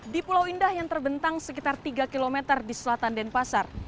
di pulau indah yang terbentang sekitar tiga km di selatan denpasar